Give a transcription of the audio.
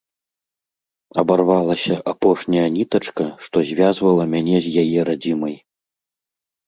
Абарвалася апошняя нітачка, што звязвала мяне з яе радзімай.